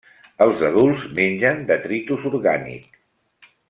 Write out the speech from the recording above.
Els adults mengen detritus orgànic.